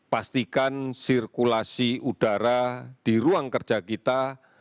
pastikan sirkulasi udara di ruang kerja kita